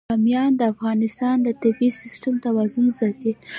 بامیان د افغانستان د طبعي سیسټم توازن ساتي.